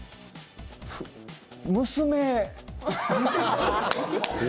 娘。